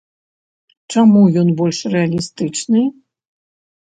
Чаму ён больш рэалістычны?